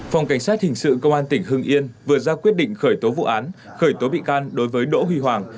phòng cảnh sát hình sự công an tp hcm vừa ra quyết định khởi tố vụ án khởi tố bị can đối với đỗ huy hoàng